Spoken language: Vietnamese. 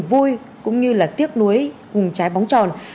vui cũng như là tiếc nuối cùng trái bóng tròn